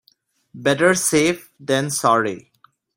Better safe than sorry.